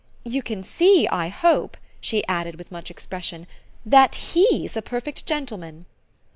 "You can see, I hope," she added with much expression, "that HE'S a perfect gentleman!"